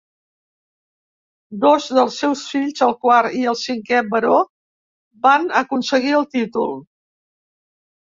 Dos dels seus fills, el quart i el cinquè baró, van aconseguir el títol.